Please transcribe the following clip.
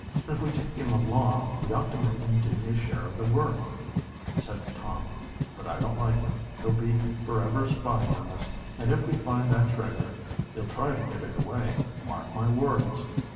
"If we take him along, we ought to make him do his share of the work," said Tom. "But I don't like it. He'll be forever spying on us, and if we find that treasure he'll try to get it away, mark my words."